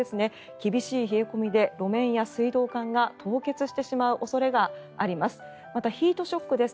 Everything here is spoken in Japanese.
厳しい冷え込みで路面や水道管が凍結してしまう恐れがあります。